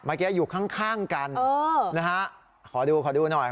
มักง่วงมาเกี๊ยว